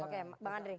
oke bang andri